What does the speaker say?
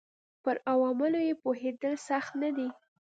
پر عواملو یې پوهېدل سخت نه دي.